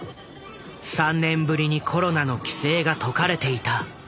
３年ぶりにコロナの規制が解かれていた。